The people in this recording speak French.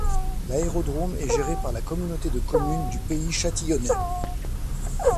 L’aérodrome est géré par la Communauté de communes du Pays Châtillonnais.